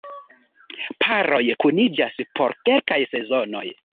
Paroj kuniĝas por kelkaj sezonoj.